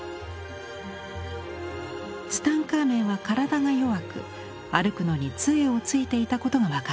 ツタンカーメンは体が弱く歩くのに杖をついていたことが分かっています。